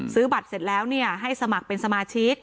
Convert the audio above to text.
ซื้อบัตรเสร็จแล้วให้สมัครเป็นสมาชิก